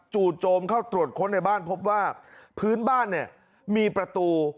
จู่โจมเข้าตรวจค้นในบ้านพบว่าพื้นบ้านเนี่ยมีประตู